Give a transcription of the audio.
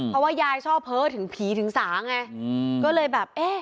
เพราะว่ายายชอบเพ้อถึงผีถึงสาไงก็เลยแบบเอ๊ะ